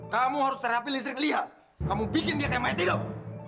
kamu harus terapi listrik lia kamu bikin dia kayak main tidur